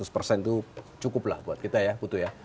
lima ratus persen itu cukup lah buat kita ya putu ya